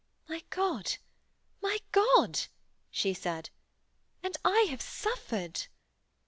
'My God! my God!' she said. 'And I have suffered!'